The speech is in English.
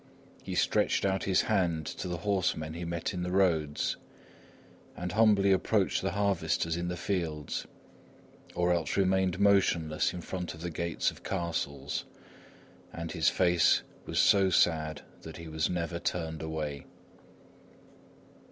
He stretched out his hand to the horsemen he met in the roads, and humbly approached the harvesters in the fields; or else remained motionless in front of the gates of castles; and his face was so sad that he was never turned away.